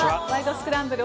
スクランブル」